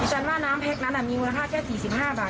จันทร์ว่าน้ำแพ็คนั้นมีมูลค่าแค่๔๕บาท